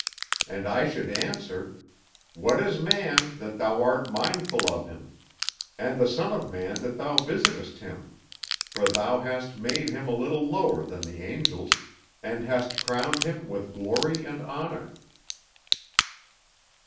"And I should answer, "'What is man, that thou art mindful of him? and the son of man that thou visitest him? For thou hast made him a little lower than the angels, and hast crowned him with glory and honor.'